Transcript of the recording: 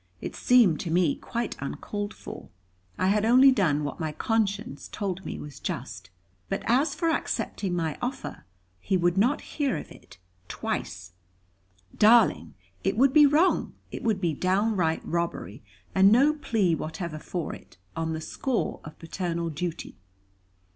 It seemed to me quite uncalled for; I had only done what my conscience told me was just. But as for accepting my offer he would not hear of it twice. "Darling, it would be wrong. It would be downright robbery; and no plea whatever for it, on the score of paternal duty.